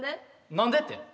何でって？